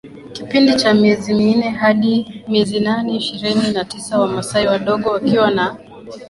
kipindi cha miezi minne hadi miezi nane ishirini na tisa Wamasai wadogo wakiwa na